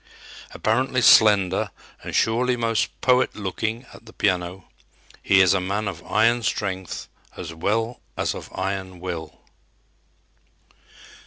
Apparently slender and surely most poet looking at the piano, he is a man of iron strength as well as of iron will.